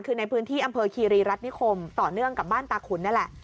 คือในพื้นที่อำเภอคีรีรัฐนิคมต่อเนื่องกับบ้านตาขุนนั่นแหละ